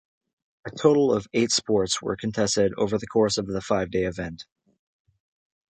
A total of eight sports were contested over the course of the five-day event.